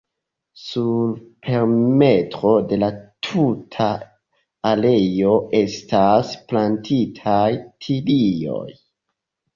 Sur perimetro de la tuta areo estas plantitaj tilioj.